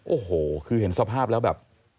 โอ้โหคือเห็นสภาพแล้วแบบ